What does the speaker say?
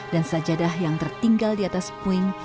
sajadah yang tertinggal di atas puing